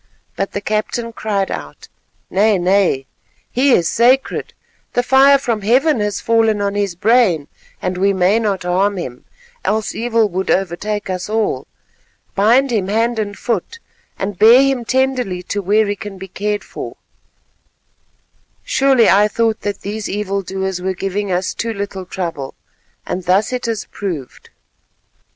But the captain cried out, "Nay, nay, he is sacred; the fire from Heaven has fallen on his brain, and we may not harm him, else evil would overtake us all. Bind him hand and foot, and bear him tenderly to where he can be cared for. Surely I thought that these evil doers were giving us too little trouble, and thus it has proved."